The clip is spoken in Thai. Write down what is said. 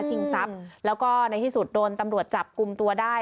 ชิงทรัพย์แล้วก็ในที่สุดโดนตำรวจจับกลุ่มตัวได้